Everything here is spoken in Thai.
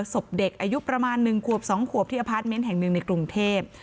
ศพเด็กอายุประมาณ๑ขวบ๒ขวบที่อพาร์ทเมนต์แห่งหนึ่งในกรุงเทพ